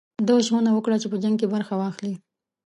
ده ژمنه وکړه چې په جنګ کې برخه واخلي.